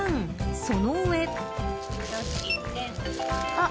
その上。